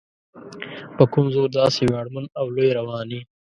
په کوم زور داسې ویاړمن او لوی روان یې؟